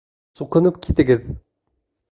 Суҡынып китегеҙ!